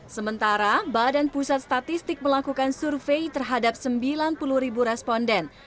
sementara badan pusat statistik melakukan survei terhadap sembilan puluh ribu responden